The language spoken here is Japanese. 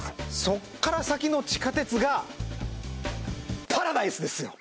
そこから先の地下鉄がパラダイスですよ！